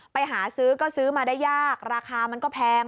ไปหาซื้อก็ซื้อมาได้ยากราคามันก็แพง